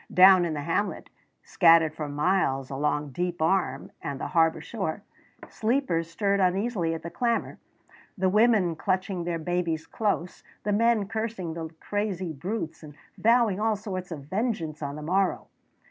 Down in the hamlet, scattered for miles along Deep Arm and the harbor shore, sleepers stirred uneasily at the clamor, the women clutching their babies close, the men cursing the crazy brutes and vowing all sorts of vengeance on the morrow.